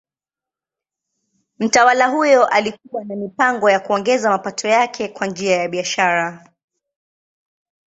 Mtawala huyo alikuwa na mipango ya kuongeza mapato yake kwa njia ya biashara.